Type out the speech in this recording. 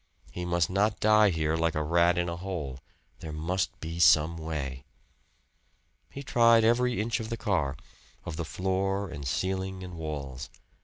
He must not die here like a rat in a hole. There must be some way. He tried every inch of the car of the floor and ceiling and walls.